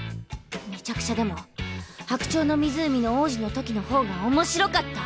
めちゃくちゃでも「白鳥の湖」の王子のときの方が面白かった。